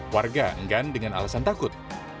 warga enggan dengan alasan takut